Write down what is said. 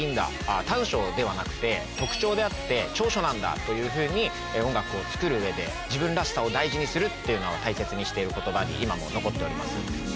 短所ではなくて特徴であって長所なんだというふうに音楽を作る上で自分らしさを大事にするっていうのを大切にしている言葉に今も残っております。